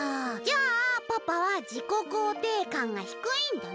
じゃあパパは自己肯定感がひくいんだね。